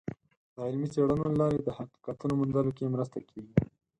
د علمي څیړنو له لارې د حقیقتونو موندلو کې مرسته کیږي.